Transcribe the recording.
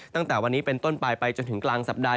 ตั้งแต่วันนี้เป็นต้นปลายไปจนถึงกลางสัปดาห